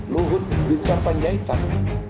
luhut bin sar panjaitan